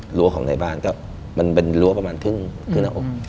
หลัวของในบ้านก็มันเป็นหลัวประมาณครึ่งครึ่งหน้าออก